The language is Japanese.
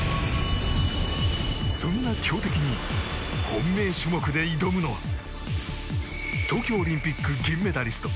そんな強敵に本命種目で挑むのは東京オリンピック銀メダリスト